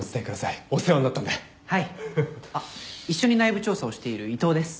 あっ一緒に内部調査をしている伊藤です。